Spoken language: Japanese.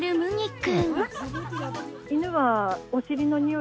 君。